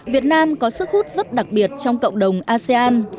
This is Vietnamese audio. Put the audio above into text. việt nam có sức hút rất đặc biệt trong cộng đồng asean